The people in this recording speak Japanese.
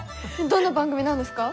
どんな番組なんですか？